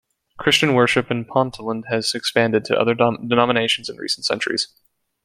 Christian worship in Ponteland has expanded to other denominations in recent centuries.